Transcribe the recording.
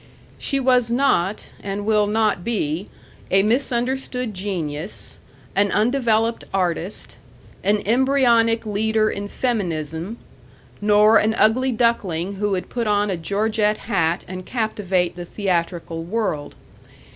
She was not and will not be a misunderstood genius, an undeveloped artist, an embryonic leader in feminism, nor an ugly duckling who would put on a Georgette hat and captivate the theatrical world.